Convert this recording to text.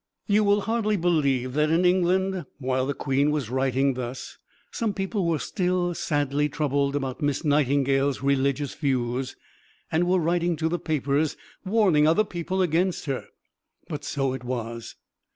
You will hardly believe that in England, while the Queen was writing thus, some people were still sadly troubled about Miss Nightingale's religious views, and were writing to the papers, warning other people against her; but so it was.